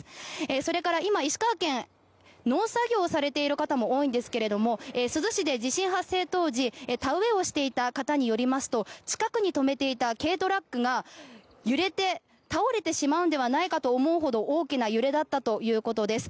それから今、石川県農作業をされている方も多いんですが珠洲市で地震発生当時田植えをしていた方によりますと近くに止めていた軽トラックが揺れて倒れてしまうんではないかと思うほど大きな揺れだったということです。